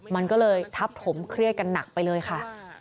มันก็เลยทับถมเครียดกันหนักไปเลยค่ะ